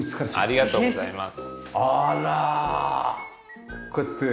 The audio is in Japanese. ありがとうございます。